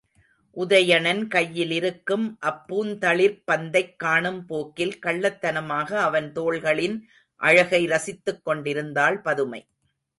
உதயணன் கையிலிருக்கும் அப் பூந்தளிர்ப் பந்தைக் காணும் போக்கில் கள்ளத்தனமாக அவன் தோள்களின் அழகை ரசித்துக் கொண்டிருந்தாள் பதுமை.